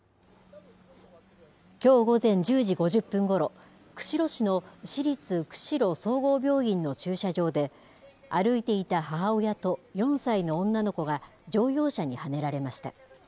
きょう午前１０時５０分ごろ、釧路市の市立釧路総合病院の駐車場で、歩いていた母親と４歳の女の子が乗用車にはねられました。